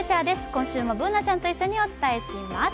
今週もＢｏｏｎａちゃんと一緒にお伝えします。